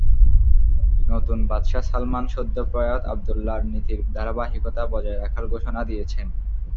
নতুন বাদশাহ সালমান সদ্যপ্রয়াত আবদুল্লাহর নীতির ধারাবাহিকতা বজায় রাখার ঘোষণা দিয়েছেন।